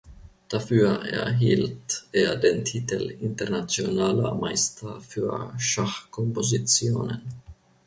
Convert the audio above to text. Dafür erhielt er den Titel "Internationaler Meister für Schachkompositionen".